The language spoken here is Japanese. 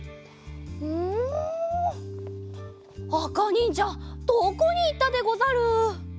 うんあかにんじゃどこにいったでござる。